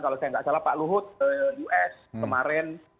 kalau saya nggak salah pak luhut us kemarin